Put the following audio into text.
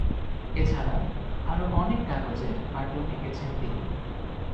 এছাড়া, আরো অনেক কাগজে কার্টুন এঁকেছেন তিনি।